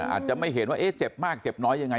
อาจจะไม่เห็นว่าเจ็บมากเจ็บน้อยยังไง